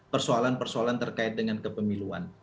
persoalan persoalan terkait dengan kepemiluan